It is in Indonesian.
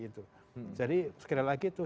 itu jadi sekali lagi itu